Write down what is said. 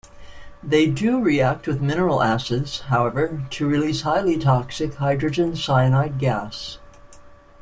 They do react with mineral acids, however, to release highly toxic hydrogen cyanide gas.